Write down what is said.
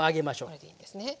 これでいいんですね。